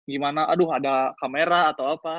gimana aduh ada kamera atau apa